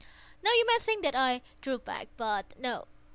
Now you may think that I drew back—but no.